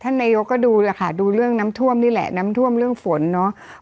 นายกก็ดูแหละค่ะดูเรื่องน้ำท่วมนี่แหละน้ำท่วมเรื่องฝนเนาะ